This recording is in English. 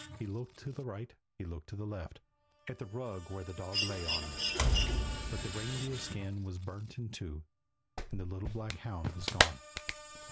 He looked to the right, he looked to the left, At the rug where the dog lay on; But the reindeer skin was burnt in two, And the little black hound was gone.